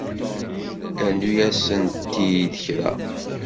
Rnu-asent-id kra